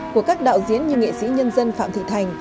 của các đạo diễn như nghệ sĩ nhân dân phạm thị thành